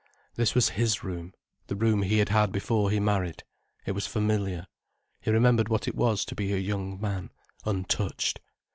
This was his room, the room he had had before he married. It was familiar. He remembered what it was to be a young man, untouched.